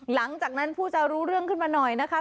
หลังจากนั้นผู้จะรู้เรื่องขึ้นมาหน่อยนะคะ